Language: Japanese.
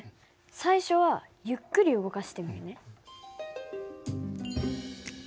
最初はゆっくり動かしてみるね。